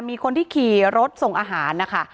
มีคนที่ขี่รถส่งอาหารนะคะ